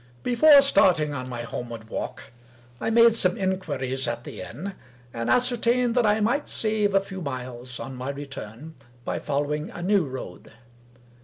Before starting on my homeward walk I made some in quiries at the inn, and ascertained that I might save a few miles, on my return, by following a new road.